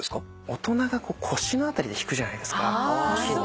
大人が腰の辺りで引くじゃないですか。